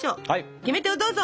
キメテをどうぞ！